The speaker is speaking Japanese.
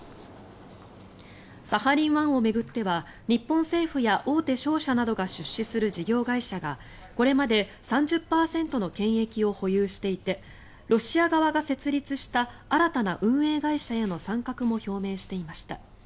サハリン１を巡っては日本政府や大手商社などが出資する事業会社が、これまで３０％の権益を保有していてロシア側が設立した新たな運営会社への参画も表明していました。